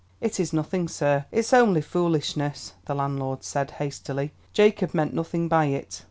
"It is nothing sir, it's only foolishness," the landlord said, hastily. "Jacob meant nothing by it."